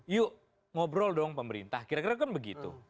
yuk ngobrol dong pemerintah kira kira kan begitu